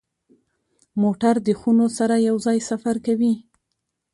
موټر د خونو سره یو ځای سفر کوي.